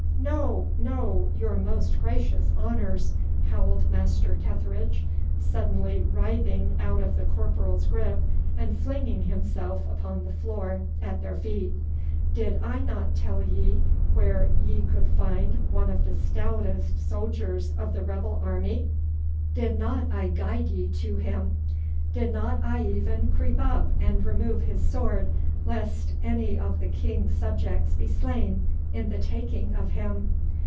'No, no, your most gracious honours,' howled Master Tetheridge, suddenly writhing out of the corporal's grip and flinging himself upon the floor at their feet. 'Did I not tell ye where ye could find one of the stoutest soldiers of the rebel army? Did not I guide ye to him? Did not I even creep up and remove his sword lest any of the King's subjects be slain in the taking of him?